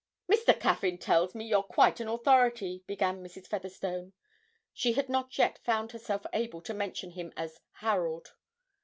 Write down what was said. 'Mr. Caffyn tells me you're quite an authority,' began Mrs. Featherstone (she had not yet found herself able to mention him as 'Harold').